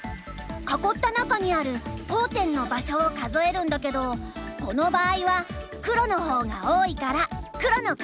囲った中にある交点の場所を数えるんだけどこの場合は黒の方が多いから黒の勝ちだね。